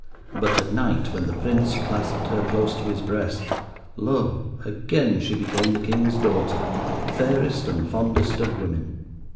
But at night, when the Prince clasped her close to his breast, lo! again she became the king's daughter, fairest and fondest of women.